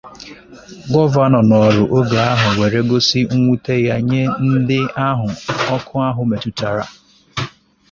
gọvanọ nọrọ oge ahụ were gosi nwute ya nye ndị ahụ ọkụ ahụ metụtara